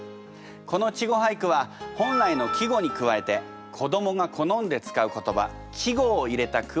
この稚語俳句は本来の季語に加えて子どもが好んで使う言葉稚語を入れた句をいいます。